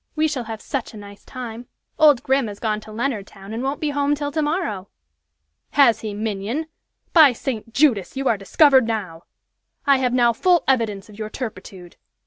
We shall have such a nice time! Old Grim has gone to Leonardtown, and won't be home till to morrow!" "Has he, minion? By St. Judas! you are discovered now! I have now full evidence of your turpitude.